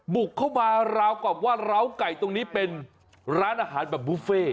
บุกเข้ามาราวกับว่าร้าวไก่ตรงนี้เป็นร้านอาหารแบบบุฟเฟ่